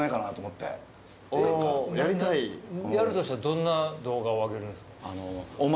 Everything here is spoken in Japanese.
やるとしたらどんな動画を上げるんですか？